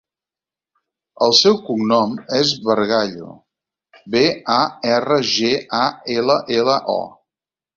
El seu cognom és Bargallo: be, a, erra, ge, a, ela, ela, o.